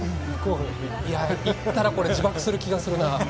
いったらこれ、自爆する気がするなぁ。